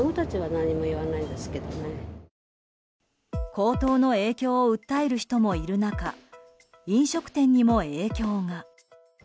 高騰の影響を訴える人もいる中飲食店にも影響が。